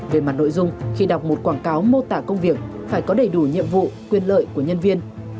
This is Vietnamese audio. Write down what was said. về mặt nội dung khi đọc một quảng cáo mô tả công việc phải có đầy đủ nhiệm vụ quyền lợi của nhân viên